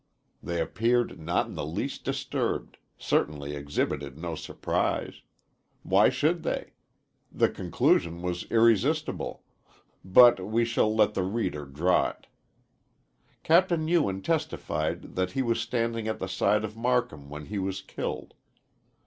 They appeared not in the least disturbed, certainly exhibited no surprise. Why should they? The conclusion is irresistible but we shall let the reader draw it. Capt. Ewen testified that he was standing at the side of Marcum when he was killed.